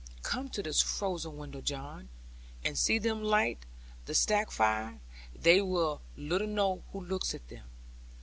'Come to this frozen window, John, and see them light the stack fire. They will little know who looks at them.